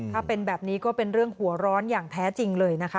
ถ้าเป็นแบบนี้ก็เป็นเรื่องหัวร้อนอย่างแท้จริงเลยนะคะ